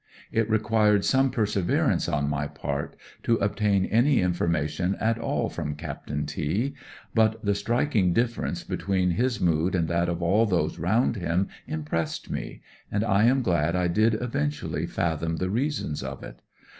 It required some perseverance on my part to obtam any information at all from Captain T ; but the striking difference between his mood and that of aU those round him impressed me, and I am glad I did eventu ally fathom the reasons of it.